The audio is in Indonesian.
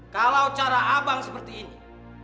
kalau cara abang seperti ini